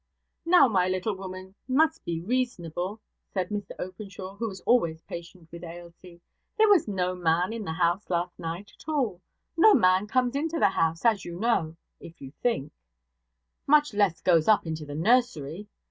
'Now, my little woman must be reasonable,' said Mr Openshaw, who was always patient with Ailsie. 'There was no man in the house last night at all. No man comes into the house, as you know, if you think; much less goes up into the nursery.